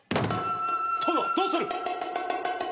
殿どうする！